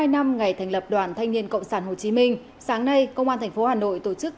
một mươi năm ngày thành lập đoàn thanh niên cộng sản hồ chí minh sáng nay công an tp hà nội tổ chức